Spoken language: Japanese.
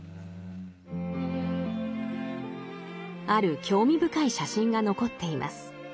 ある興味深い写真が残っています。